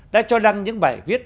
đã cho đăng những bài viết